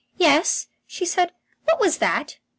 "Yes?" she said. "What was that?"